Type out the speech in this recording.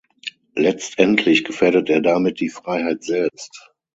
Letztendlich gefährdet er damit die Freiheit selbst.